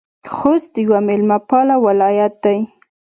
خوست یو میلمه پاله ولایت ده